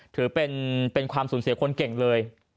ถือเป็นความสูญเสียคนเก่งเลย